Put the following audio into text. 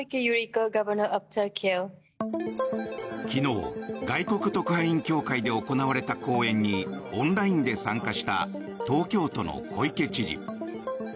昨日外国特派員協会で行われた講演にオンラインで参加した東京都の小池知事。